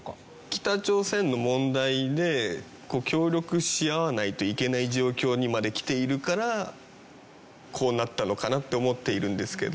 北朝鮮の問題で協力し合わないといけない状況にまできているからこうなったのかなって思っているんですけど。